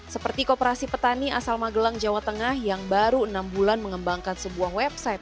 seperti koperasi petani asal magelang jawa tengah yang baru enam bulan mengembangkan sebuah website